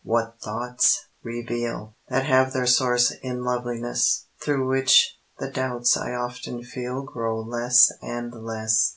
what thoughts reveal! That have their source in loveliness, Through which the doubts I often feel Grow less and less.